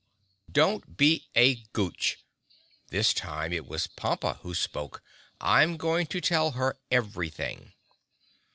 "Don't be a Gooch!" This time it was Pompa who spoke. "I'm going to tell her everything!"